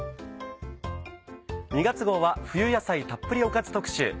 ２月号は冬野菜たっぷりおかず特集。